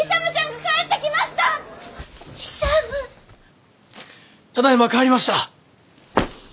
ただいま帰りました。